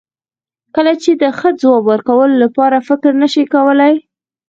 کله چې د ښه ځواب ورکولو لپاره فکر نشې کولای.